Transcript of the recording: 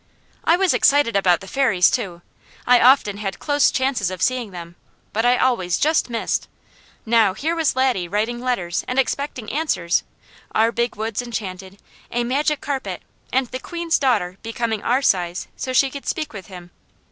I was excited about the Fairies too. I often had close chances of seeing them, but I always just missed. Now here was Laddie writing letters and expecting answers; our Big Woods Enchanted, a Magic Carpet and the Queen's daughter becoming our size so she could speak with him.